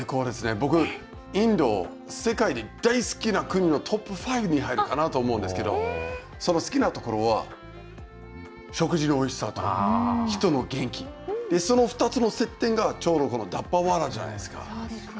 僕、インド、世界で大好きな国のトップ５に入るかなと思うんですけどその好きなところは食事のおいしさと人の元気、２つの接点がちょうどダッバーワーラーじゃないですか。